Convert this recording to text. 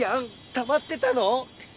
たまってたの？